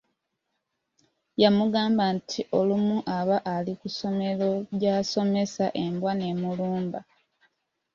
Yamugamba nti olumu aba ali ku ssomero gy’asomesa embwa n'emulumba.